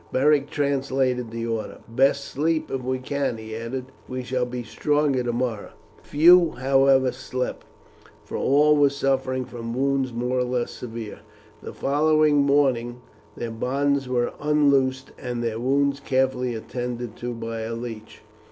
Beric translated the order. "Best sleep, if we can," he added. "We shall be stronger tomorrow." Few, however, slept, for all were suffering from wounds more or less severe. The following morning their bonds were unloosed, and their wounds carefully attended to by a leech.